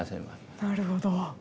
なるほど。